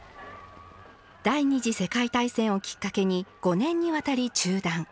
第二次世界大戦をきっかけに５年にわたり中断。